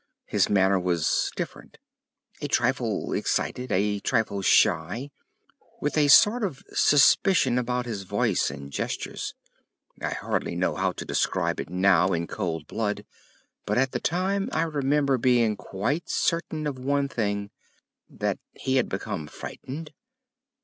His manner was different—a trifle excited, a trifle shy, with a sort of suspicion about his voice and gestures. I hardly know how to describe it now in cold blood, but at the time I remember being quite certain of one thing—that he had become frightened?